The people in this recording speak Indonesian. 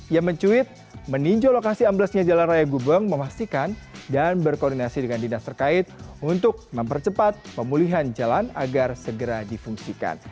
ia mencuit meninjau lokasi amblesnya jalan raya gubeng memastikan dan berkoordinasi dengan dinas terkait untuk mempercepat pemulihan jalan agar segera difungsikan